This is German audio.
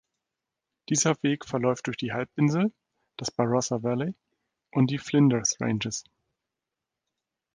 Dieser Weg verläuft durch die Halbinsel, das Barossa Valley und die Flinders Ranges.